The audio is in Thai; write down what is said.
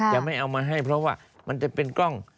จะไม่เอามาให้เพราะว่ามันจะเป็นกล้อง